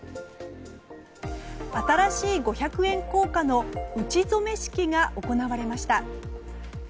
新しい五百円硬貨の打ち初め式が行われました。